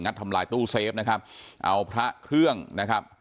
ทำลายตู้เซฟนะครับเอาพระเครื่องนะครับ